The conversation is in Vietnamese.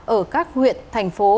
ở các huyện thành phố